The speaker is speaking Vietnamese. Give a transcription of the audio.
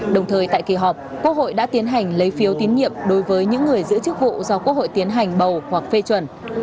đồng thời tại kỳ họp quốc hội đã tiến hành lấy phiếu tín nhiệm đối với những người giữ chức vụ do quốc hội tiến hành bầu hoặc phê chuẩn